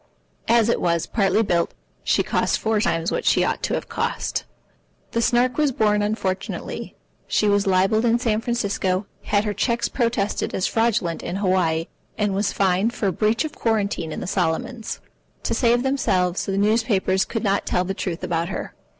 As it was, partly built, she cost four times what she ought to have cost. The Snark was born unfortunately. She was libelled in San Francisco, had her cheques protested as fraudulent in Hawaii, and was fined for breach of quarantine in the Solomons. To save themselves, the newspapers could not tell the truth about her.